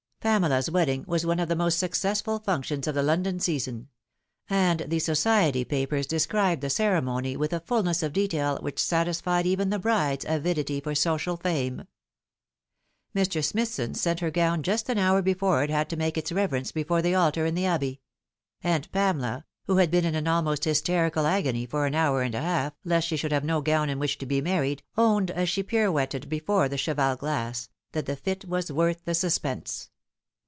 PAMELA'S wedding was one of the most successful functions of the London season ; and the society papers described the ceremony with a fulness of detail which satisfied even the bride's avidity for social fame. Mr. Smithson sent her gown just an hour before it had to make its reverence before the altar in the Abbey ; and Pamela, who had been in an almost hysterical agony for an. hour and a half, lest she should have no gown in which to be married, owned, as she pirouetted before the cheval glas :, that the fit was worth the suspense.